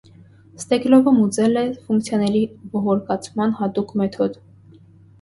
Ստեկլովը մուծել է ֆունկցիաների ողորկացման հատուկ մեթոդ։